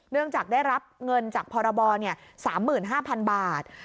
เนื่องจากได้รับเงินจากพรบ๓๕๐๐๐บาท